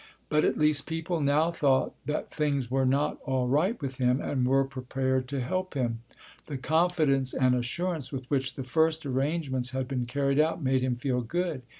But at least people now thought that things were not all right with him and were prepared to help him. The confidence and assurance with which the first arrangements had been carried out made him feel good.